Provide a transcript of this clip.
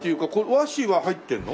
和紙は入ってるの？